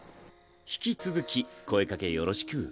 引き続き声掛けよろしく。